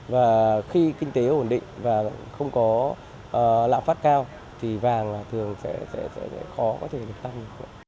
và khi kinh tế ổn định và không có lạm phát cao thì vàng là thường sẽ khó có thể được tăng